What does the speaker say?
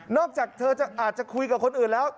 จากเธออาจจะคุยกับคนอื่นแล้ว